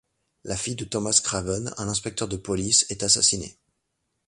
La fille de Thomas Craven, un inspecteur de police, est assassinée.